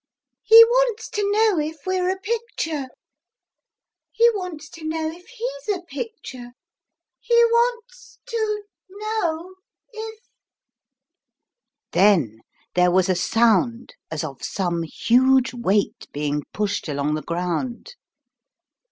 " He wants to know if we're a picture : he wants to know if lies a picture : he wants to know if " Then there was a sound as of some huge weight being pushed along the ground.